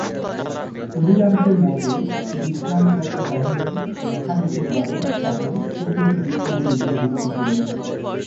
অধিকাংশের মতে বিজ্ঞান কল্পকাহিনী লেখা যেতে পারে কেবল প্রকৃত বিজ্ঞানের উপর ভিত্তি করেই।